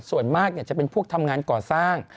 ส่วนมากจะเป็นพวกทำงานก่อสร้าง